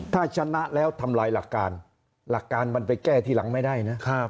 ถ้าชนะแล้วทำลายหลักการหลักการมันไปแก้ทีหลังไม่ได้นะ